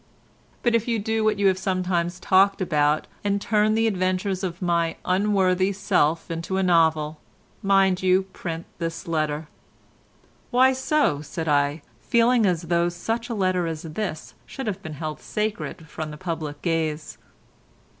But if you do what you have sometimes talked about and turn the adventures of my unworthy self into a novel, mind you print this letter." "Why so?" said I, feeling as though such a letter as this should have been held sacred from the public gaze.